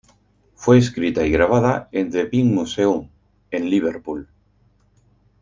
Fue escrita y grabada en The Pink Museum en Liverpool.